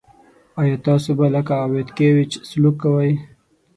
آیا تاسو به لکه ویتکیویچ سلوک کوئ.